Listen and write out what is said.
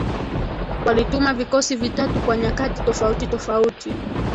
walituma vikosi vitatu kwa nyakati tofauti tofauti